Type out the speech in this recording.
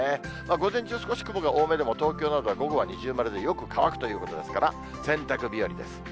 午前中、少し雲が多めでも、東京などは午後は二重丸で、よく乾くということですから、洗濯日和です。